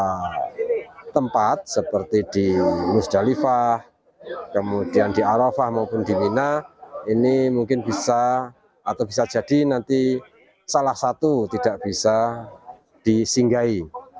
ada tempat seperti di musdalifah kemudian di arafah maupun di mina ini mungkin bisa atau bisa jadi nanti salah satu tidak bisa disinggahi